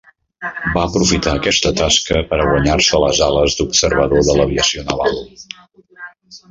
Va aprofitar aquesta tasca per a guanyar-se les ales d'observador de l'aviació naval.